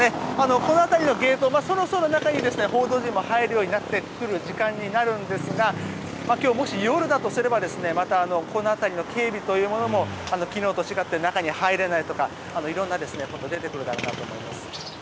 この辺りのゲートそろそろ中に報道陣も入ってくる時間になるんですが今日、もし夜だとすればこの辺りの警備というものも昨日と違って中に入れないとか色んなことが出てくるだろうなと思います。